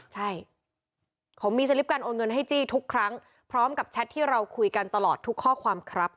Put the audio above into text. ใช่ผมมีสลิปการโอนเงินให้จี้ทุกครั้งพร้อมกับแชทที่เราคุยกันตลอดทุกข้อความครับ